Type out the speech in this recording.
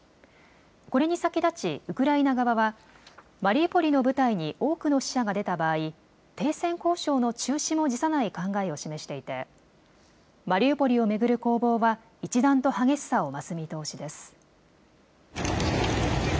これに先立ちウクライナ側はマリウポリの部隊に多くの死者が出た場合、停戦交渉の中止も辞さない考えを示していてマリウポリを巡る攻防は一段と激しさを増す見通しです。